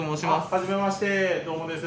はじめましてどうもです。